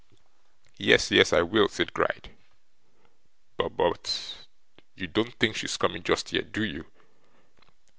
'Yes, yes, I will,' said Gride. 'But but you don't think she's coming just yet, do you?